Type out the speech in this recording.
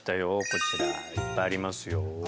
こちらいっぱいありますよ。